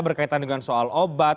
berkaitan dengan soal obat